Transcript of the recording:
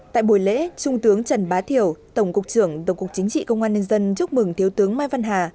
tại buổi lễ trung tướng trần bá thiểu tổng cục trưởng tổng cục chính trị công an nhân dân chúc mừng thiếu tướng mai văn hà